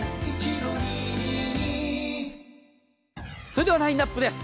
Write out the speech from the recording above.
それではラインアップです。